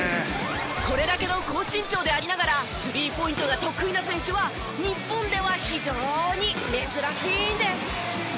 これだけの高身長でありながら３ポイントが得意な選手は日本では非常に珍しいんです。